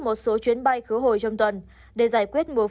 một số chuyến bay cứ hồi trong tuần để giải quyết mùa phát